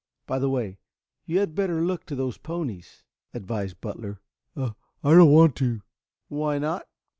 By the way, you had better look to those ponies," advised Butler. "I I don't want to." "Why not?"